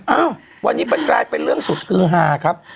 อ้าววันนี้มันกลายเป็นเรื่องสุดคือฮาครับ